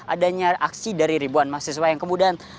adanya aksi dari ribuan mahasiswa yang kemudian